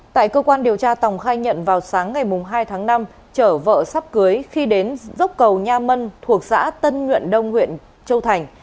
tại cơ quan điều tra tòng khai nhận vào sáng ngày hai tháng năm chở vợ sắp cưới khi đến dốc cầu nha mân thuộc xã tân nhuận đông huyện châu thành